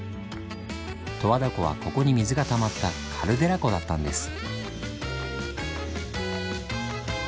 十和田湖はここに水がたまったカルデラ湖だったんです。